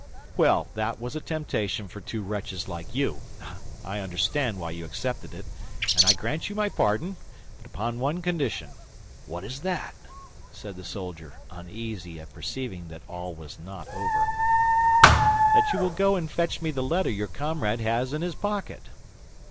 Well, that was a temptation for two wretches like you. I understand why you accepted it, and I grant you my pardon; but upon one condition." "What is that?" said the soldier, uneasy at perceiving that all was not over. "That you will go and fetch me the letter your comrade has in his pocket."